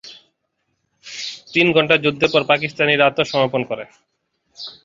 তিন ঘণ্টা যুদ্ধের পর পাকিস্তানিরা আত্মসমর্পণ করে।